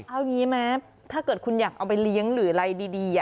เอางี้ไหมถ้าเกิดคุณอยากเอาไปเลี้ยงหรืออะไรดี